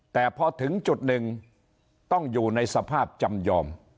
แต่พอถึงจุดหนึ่งต้องอยู่ในสภาพจำยอม